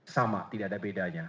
sama tidak ada bedanya